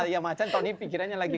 ya macan tahun ini pikirannya lagi